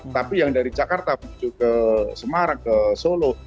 tapi yang dari jakarta menuju ke semarang ke solo